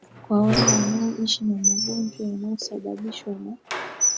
kwa wale wanaoishi na magonjwa yanayosababishwa na